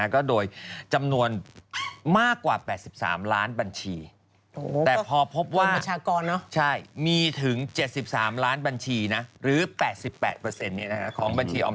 ก็โดยจำนวนมากกว่า๘๓ล้านบัญชีนะ